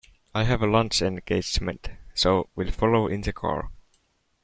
I have a lunch engagement, so will follow in the car.